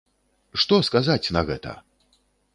Што сказаць на гэта?!